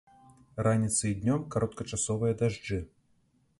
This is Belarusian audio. Раніцай і днём кароткачасовыя дажджы.